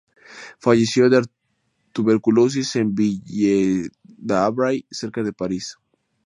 Falleció de tuberculosis en Ville-d'Avray, cerca de París.